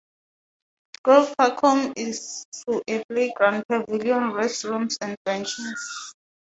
Grove Park is home to a playground, pavilion, restrooms, and benches.